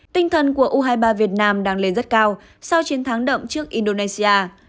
tinh thần của u hai mươi ba việt nam đang lên rất cao sau chiến thắng đậm trước indonesia